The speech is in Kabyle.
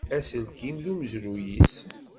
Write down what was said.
Aselkim d umezruy-is.